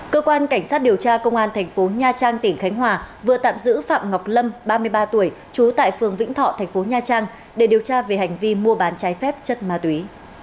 cơ quan cảnh sát điều tra công an thành phố nha trang tỉnh khánh hòa vừa tạm giữ phạm ngọc lâm ba mươi ba tuổi trú tại phường vĩnh thọ thành phố nha trang để điều tra về hành vi mua bán trái phép chất ma túy